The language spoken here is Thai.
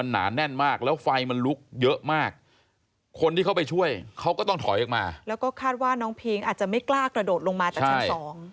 ตะโกนร้องให้ช่วยเขาก็ต้องถอยออกมาแล้วก็คาดว่าน้องพีงอาจจะไม่กล้ากระโดดลงมาจากชั้นสอง